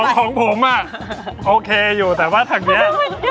ของผมโอเคอยู่แต่ว่าทางนี้